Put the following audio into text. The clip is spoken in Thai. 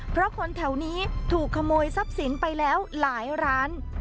เพราะคนแถวนี้ถูกขโมยทรัพย์สินไปแล้วหลายร้าน